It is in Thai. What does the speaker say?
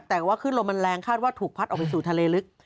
แต่ว่าขึ้นลมมันแรงคาดว่าถูกพัดออกไปสู่ทะเลลึก